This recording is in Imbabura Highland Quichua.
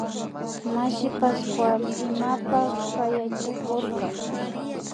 Mashi Pascual imapak kayachikurka